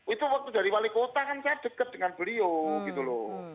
itu waktu dari wali kota kan saya dekat dengan beliau gitu loh